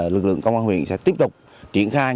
lực lượng công an huyện sẽ tiếp tục triển khai